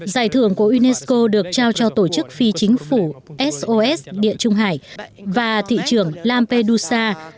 giải thưởng của unesco được trao cho tổ chức phi chính phủ sos địa trung hải và thị trường lampedusa